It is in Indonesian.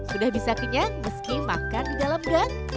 sudah bisa kenyang meski makan di dalam gang